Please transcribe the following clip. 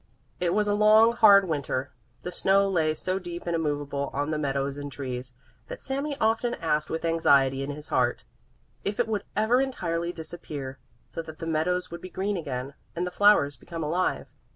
It was a long, hard Winter. The snow lay so deep and immovable on the meadows and trees, that Sami often asked with anxiety in his heart, if it would ever entirely disappear, so that the meadows would be green again, and the flowers become alive.